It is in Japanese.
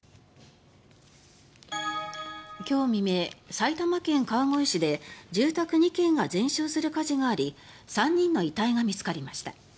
今日未明、埼玉県川越市で住宅２軒が全焼する火事があり３人の遺体が見つかりました。